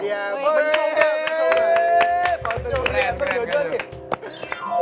bencong deh bencong deh